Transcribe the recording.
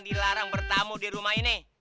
dilarang bertamu di rumah ini